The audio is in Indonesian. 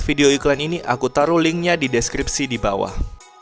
video iklan ini aku taruh linknya di deskripsi di bawah